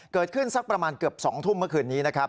เกิดขึ้นสักประมาณเกือบ๒ทุ่มเมื่อคืนนี้